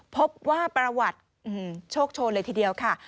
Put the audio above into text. พบว่าประวัติโชคโชนเลยทีเดียวค่ะ